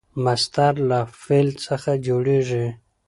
مصدر له فعل څخه جوړیږي.